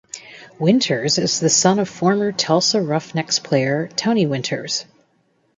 Winters is the son of former Tulsa Roughnecks player Tony Winters.